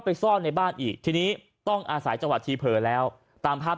ซ่อนในบ้านอีกทีนี้ต้องอาศัยจังหวัดทีเผลอแล้วตามภาพ